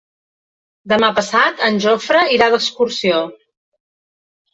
Demà passat en Jofre irà d'excursió.